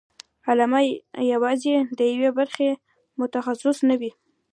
علامه یوازې د یوې برخې متخصص نه وي.